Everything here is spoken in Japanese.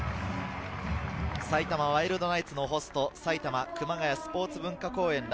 埼玉ワイルドナイツのホスト、埼玉熊谷スポーツ文化公園